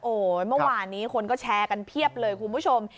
โอ้โหเมื่อวานนี้คนก็แชร์กันเพียบเลยคุณผู้ชม